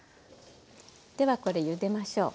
ではこれゆでましょう。